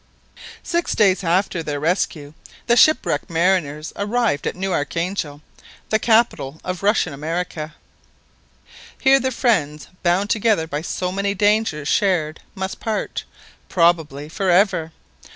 Six days after their rescue the shipwrecked mariners arrived at New Archangel, the capital of Russian America. Here the friends, bound together by so many dangers shared, must part, probably for ever!